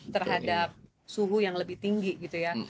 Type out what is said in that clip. terhadap suhu yang lebih tinggi gitu ya